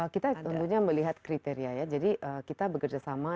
kita tentunya melihat kriteria ya jadi kita bekerjasama